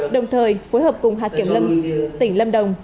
đồng thời phối hợp cùng hạt kiểm lâm tỉnh lâm đồng